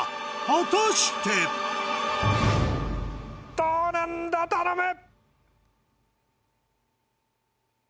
果たして⁉どうなんだ頼む！